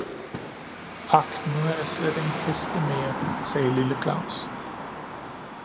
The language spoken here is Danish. "Ak nu har jeg slet ingen heste mere!" sagde lille Claus.